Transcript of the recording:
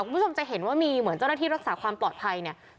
คุณผู้ชมจะเห็นว่ามีเหมือนเจ้าหน้าที่รักษาความปลอดภัยเนี่ย